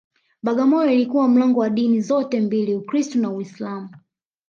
Bagamoyo ilikuwa mlango wa dini zote mbili Ukristu na Uislamu